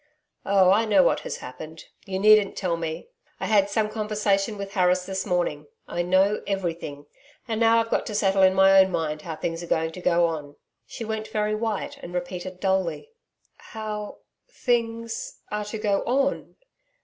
'Oh, I know what has happened. You needn't tell me. I had some conversation with Harris this morning. I know EVERYTHING; and now I've got to settle in my own mind how things are to go on.' She went very white and repeated dully: 'How things are to go on?'